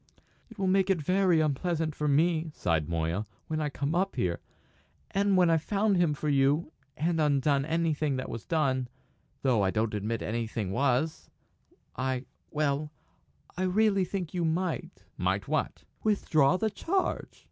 "It will make it very unpleasant for me," sighed Moya, "when I come up here. And when I've found him for you and undone anything that was done though I don't admit that anything was I well, I really think you might!" "Might what?" "Withdraw the charge!"